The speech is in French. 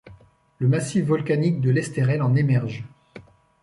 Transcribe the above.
Le massif volcanique de l'Estérel en émerge.